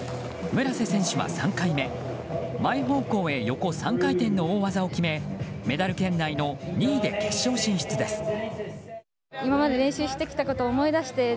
村瀬選手は３回目前方向へ横３回転の大技を決めメダル圏内の２位で決勝進出です。